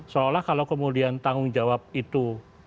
seolah olah kalau kemudian tanggung jawab itu